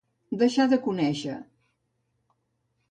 Deixar de conèixer.